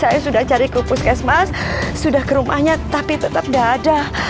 saya sudah cari ke puskesmas sudah ke rumahnya tapi tetap tidak ada